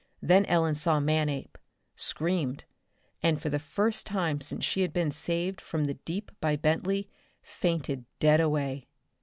Then Ellen saw Manape, screamed, and for the first time since she had been saved from the deep by Bentley, fainted dead away.